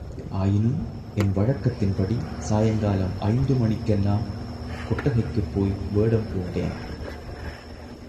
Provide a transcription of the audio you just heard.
ஆயினும் என் வழக்கத்தின்படி சாயங்காலம் ஐந்து மணிக்கெல்லாம் கொட்டகைக்குப் போய், வேடம் பூண்டேன்.